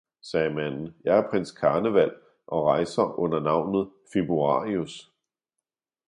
sagde manden, jeg er prins Karneval og rejser under navnet Februarius!